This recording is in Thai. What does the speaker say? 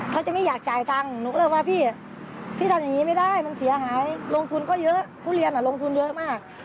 ทำไมไม่ขอเปลี่ยนแต่แรก